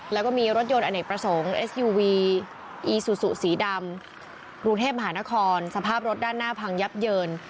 แล้วก็มีรถยนต์อเนกประสงค์เอสยูวีอีซูซูสีดำกรุงเทพมหานครสภาพรถด้านหน้าพังยับเยิน